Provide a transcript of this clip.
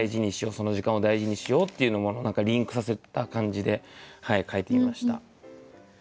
その時間を大事にしようっていうものをリンクさせた感じで書いてみました。